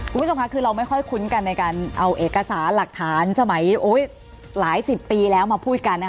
คุณผู้ชมค่ะคือเราไม่ค่อยคุ้นกันในการเอาเอกสารหลักฐานสมัยหลายสิบปีแล้วมาพูดกันนะคะ